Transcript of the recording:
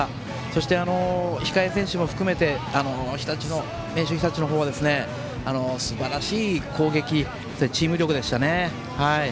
そして、控え選手も含めて明秀日立のほうはすばらしい攻撃チーム力でしたね。